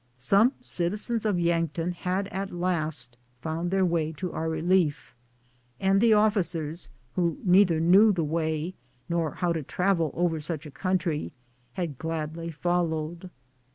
Some citizens of Yankton had at last found their way to our relief, and the officers, who neither knew the way nor how to travel over such a country, had gladly followed.